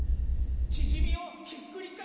チヂミをひっくり返